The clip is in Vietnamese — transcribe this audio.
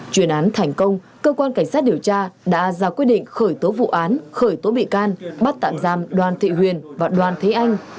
chuyên án thành công cơ quan cảnh sát điều tra đã ra quyết định khởi tố vụ án khởi tố bị can bắt tạm giam đoàn thị huyền và đoàn thế anh